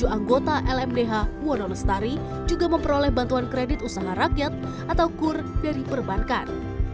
tiga ratus enam puluh tujuh anggota lmdh wonolestari juga memperoleh bantuan kredit usaha rakyat atau kur dari perbankan